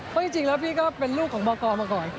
เพราะจริงแล้วพี่ก็เป็นลูกของบกมาก่อน